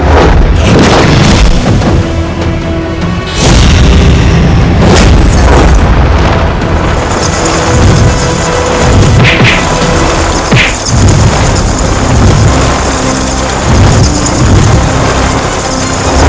menyelesaikan kemend diet